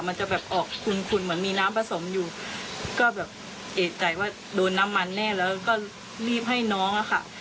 มันจะแบบออกขุนเหมือนมีน้ำผสมอยู่ก็แบบเอกใจว่าโดนน้ำมันแน่แล้วก็รีบให้น้องอะค่ะ